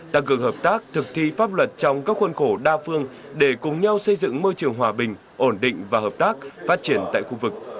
tăng cường hợp tác thực thi pháp luật trong các khuôn khổ đa phương để cùng nhau xây dựng môi trường hòa bình ổn định và hợp tác phát triển tại khu vực